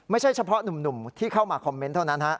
ไม่ใช่เฉพาะหนุ่มที่เข้ามาคอมเมนต์เท่านั้น